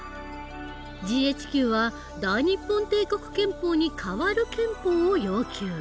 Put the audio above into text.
ＧＨＱは大日本帝国憲法に代わる憲法を要求。